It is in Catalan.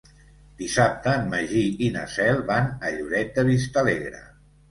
Dissabte en Magí i na Cel van a Lloret de Vistalegre.